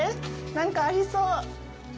何かありそう。